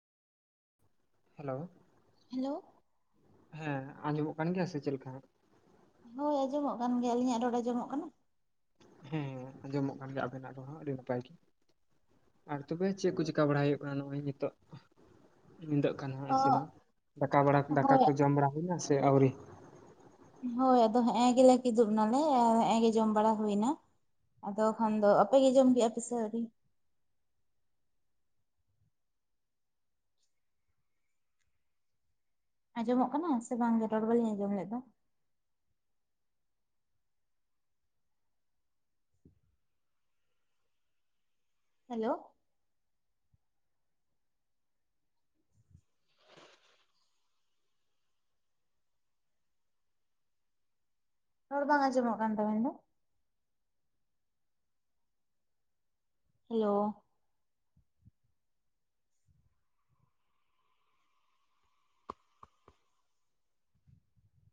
Hello, hello, ᱦᱮᱸ ᱟᱸᱡᱚᱢᱚᱜ ᱠᱟᱱ ᱜᱮᱭᱟ ᱥᱮ ᱪᱮᱫ ᱞᱮᱠᱟ? ᱦᱳᱭ ᱟᱸᱡᱚᱢᱚᱜ ᱠᱟᱱ ᱜᱮᱭᱟ, ᱟᱹᱞᱤᱧᱟᱜ ᱨᱚᱲ ᱟᱸᱡᱚᱢᱚᱜ ᱠᱟᱱᱟ? ᱦᱮᱸ ᱟᱸᱡᱚᱢᱚᱜ ᱠᱟᱱ ᱜᱮᱭᱟ ᱟᱵᱮᱱᱟᱜ ᱨᱮᱦᱚᱸ ᱟᱹᱰᱤ ᱱᱟᱯᱟᱭ ᱜᱮ ᱾ ᱟᱨ ᱛᱚᱵᱮ ᱪᱮᱫ ᱠᱚ ᱪᱤᱠᱟ ᱵᱟᱲᱟ ᱦᱩᱭᱩᱜ ᱠᱟᱱᱟ ᱱᱚᱜᱼᱚᱭ ᱱᱤᱛᱳᱜ? ᱧᱤᱫᱟᱹᱜ ᱠᱟᱱᱟ ᱚ ᱮᱭ ᱥᱮ ᱢᱟ ᱫᱟᱠᱟ ᱵᱟᱲᱟ ᱫᱟᱠᱟ ᱦᱳᱭ ᱠᱚ ᱡᱚᱢ ᱵᱟᱲᱟ ᱦᱩᱭᱱᱟ ᱥᱮ ᱟᱹᱣᱨᱤ? ᱦᱳᱭ ᱟᱫᱚ ᱦᱮᱸ ᱜᱮᱞᱮ ᱠᱤᱫᱩᱵ ᱱᱟᱞᱮ, ᱦᱮᱜᱸ ᱜᱮ ᱡᱚᱢ ᱵᱟᱲᱟ ᱦᱩᱭ ᱮᱱᱟ᱾ ᱟᱫᱚ ᱠᱷᱟᱱ ᱫᱚ ᱟᱯᱮ ᱜᱮ ᱡᱚᱢ ᱠᱮᱫᱼᱟ ᱯᱮᱥᱮ ᱟᱹᱣᱨᱤ? ᱟᱸᱡᱚᱢᱚᱜ ᱠᱟᱱᱟ ᱥᱮ ᱵᱟᱝ ᱜᱮ ᱨᱚᱲ ᱵᱟᱞᱤᱧ ᱟᱸᱡᱚᱢ ᱞᱮᱫ ᱫᱚ? ᱦᱮᱞᱳ, ᱨᱚᱲ ᱵᱟᱝ ᱟᱸᱡᱚᱢᱚᱜ ᱠᱟᱱ ᱛᱟᱵᱮᱱ ᱫᱚ? ᱦᱮᱞᱳ,